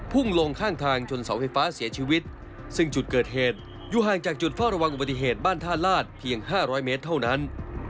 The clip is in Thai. ่งลงข้างทางชนเสาไฟฟ้าเสียชีวิตซึ่งจุดเกิดเหตุอยู่ห่างจากจุดเฝ้าระวังอุบัติเหตุบ้านท่าลาศเพียง๕๐๐เมตรเท่านั้น